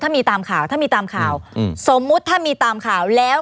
ถ้ามีตามข่าวถ้ามีตามข่าวอืมสมมุติถ้ามีตามข่าวแล้ว